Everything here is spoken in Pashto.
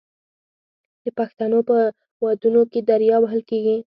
د پښتنو په ودونو کې دریا وهل کیږي.